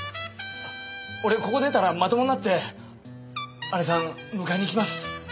俺ここ出たらまともになって姐さん迎えに行きます。